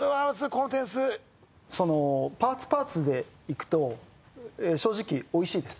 この点数パーツパーツでいくと正直おいしいです